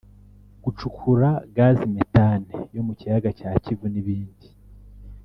gucukura gazi methane yo mu kiyaga cya Kivu n’ibindi